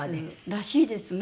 らしいですね。